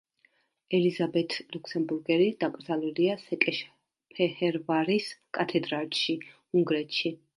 ელიზაბეთ ლუქსემბურგელი დაკრძალულია სეკეშფეჰერვარის კათედრალში, უნგრეთში.